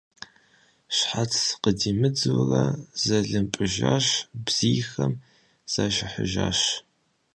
Щхьэц къыдимыдзурэ зэлымпӀыжащ, бзийхэм зашыхьыжащ.